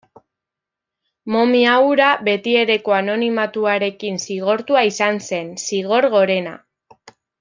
Momia hura, betiereko anonimatuarekin zigortua izan zen, zigor gorena.